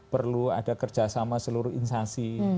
perlu ada kerjasama seluruh instansi